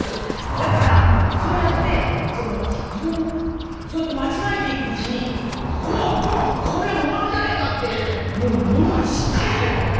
だからそうやって間違えていくうちに「こっぷわっ！こりゃうま味じゃねえか！」ってもう脳にしっかり入るから。